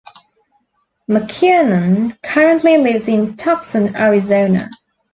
McKiernan currently lives in Tucson, Arizona.